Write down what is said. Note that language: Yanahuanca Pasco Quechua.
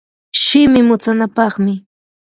shimi mutsanapaqmi.